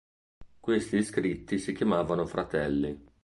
Questi iscritti si chiamavano "fratelli".